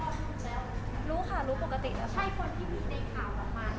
เหมือนที่ไม้ทำเหมือนกันนะคะเขาไปที่จีนช่วงมกราเพียสเขาเลยกลับมาไม่ได้